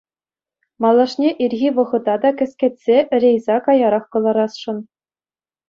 Малашне ирхи вӑхӑта та кӗскетсе рейса каярах кӑларасшӑн.